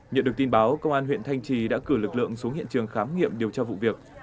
nhận được tin báo công an huyện thanh trì đã cử lực lượng xuống hiện trường khám nghiệm điều tra vụ việc